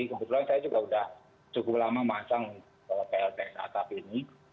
kebetulan saya juga sudah cukup lama masang plts atap ini